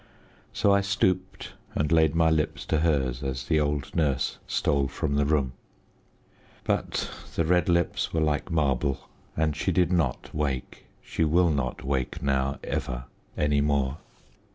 So I stooped and laid my lips to hers as the old nurse stole from the room. But the red lips were like marble, and she did not wake. She will not wake now ever any more.